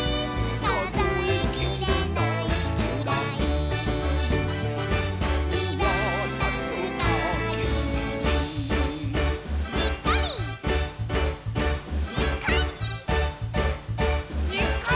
「かぞえきれないくらいみわたすかぎり」「にっこり」「にっこり」